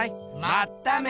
まっため！